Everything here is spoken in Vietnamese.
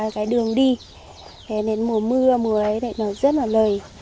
cái đường đi đến mùa mưa mùa ấy nó rất là lời